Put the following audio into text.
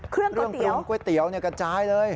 เครื่องปรุงก๋วยเตี๋ยวกระจายเลย